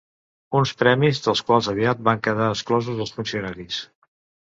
Uns premis dels quals aviat van quedar exclosos els funcionaris.